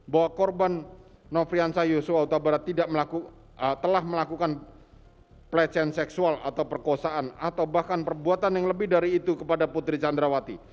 bahwa korban nofrian sahyoswaw tabarat telah melakukan plecen seksual atau perkosaan atau bahkan perbuatan yang lebih dari itu kepada putri sandrawati